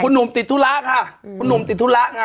หนุ่มติดธุระค่ะคุณหนุ่มติดธุระไง